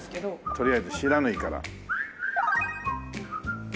とりあえず不知火から。